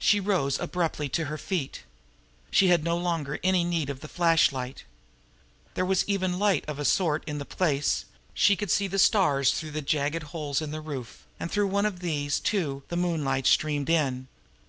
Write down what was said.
She rose abruptly to her feet. She had no longer any need of a flashlight. There was even light of a sort in the place she could see the stars through the jagged holes in the roof, and through one of these, too, the moonlight streamed in.